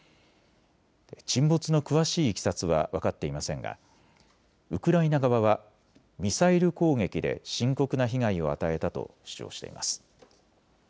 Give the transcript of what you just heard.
沈没の詳しいいきさつは分かっていませんがウクライナ側はミサイル攻撃で深刻な被害を与えたと主張しています。